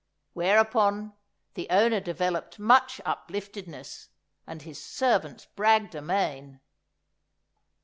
Whereupon the owner developed much upliftedness, and his servants bragged amain.